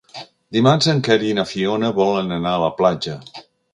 Dimarts en Quer i na Fiona volen anar a la platja.